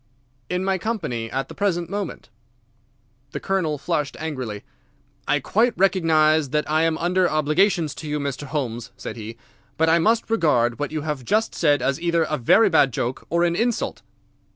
"In my company at the present moment." The Colonel flushed angrily. "I quite recognise that I am under obligations to you, Mr. Holmes," said he, "but I must regard what you have just said as either a very bad joke or an insult."